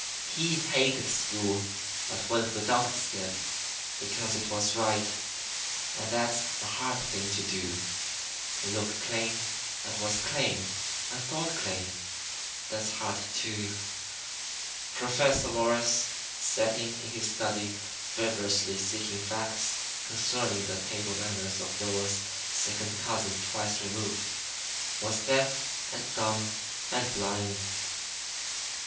He hated school, but went without a skip, because it was right. And that's a hard thing to do. He looked clean, and was clean, and thought clean. And that's hard, too. Professor Morris, sitting in his study feverishly seeking facts concerning the table manners of Noah's second cousin twice removed, was deaf and dumb and blind.